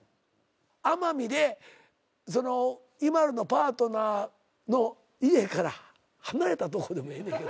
奄美でＩＭＡＬＵのパートナーの家から離れたとこでもええねんけど。